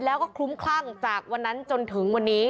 แล้วก็คลุ้มคลั่งจากวันนั้นจนถึงวันนี้